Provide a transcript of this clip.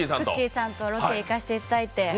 さんとロケ行かせていただいて。